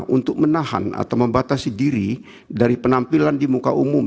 untuk menahan atau membatasi diri dari penampilan di muka umum